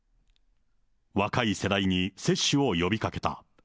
若い世代に接種を呼びかけた。